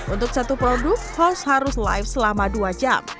untuk satu produk host harus live selama dua jam